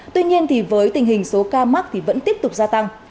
tuy nhiên với tình hình số ca mắc thì vẫn tiếp tục gia tăng